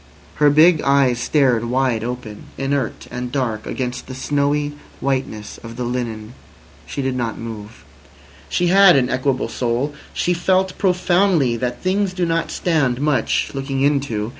Her big eyes stared wide open, inert and dark against the snowy whiteness of the linen. She did not move. She had an equable soul. She felt profoundly that things do not stand much looking into.